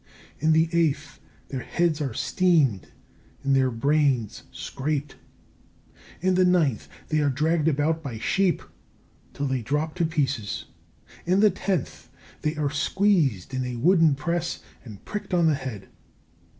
In the eighth, their heads are steamed and their brains scraped. In the ninth, they are dragged about by sheep till they drop to pieces. In the tenth, they are squeezed in a wooden press and pricked on the head.